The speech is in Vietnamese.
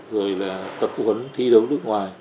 rồi là tập huấn thi đấu nước ngoài